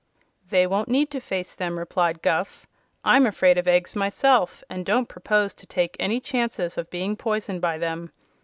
"They won't need to face them," replied Guph. "I'm afraid of eggs myself, and don't propose to take any chances of being poisoned by them.